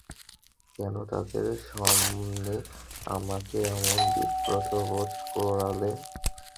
কেন তাদের সামনে আমাকে এমন বিব্রতবোধ করালে?